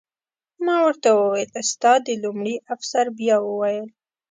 ما ورته وویل: ستا د... لومړي افسر بیا وویل.